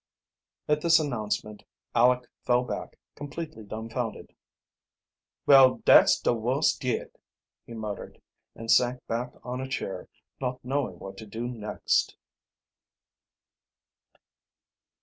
At this announcement Aleck fell back completely dumfounded. "Well, dat's de wust yet!" he muttered, and sank back on a chair, not knowing what to do next.